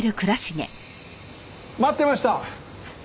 待ってました！